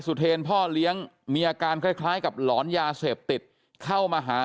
เทรนพ่อเลี้ยงมีอาการคล้ายกับหลอนยาเสพติดเข้ามาหา